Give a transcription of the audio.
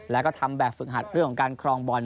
แล้วก็ทำแบบฝึกหัดเรื่องของการครองบอล